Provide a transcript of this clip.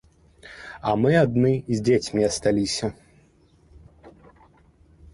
А мы адны з дзецьмі асталіся.